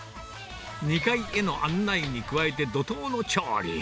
２階への案内に加えて、怒とうの調理。